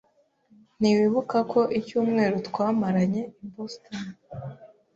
Ntiwibuka ko icyumweru twamaranye i Boston?